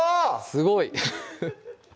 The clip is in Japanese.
すごい！